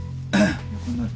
横になる。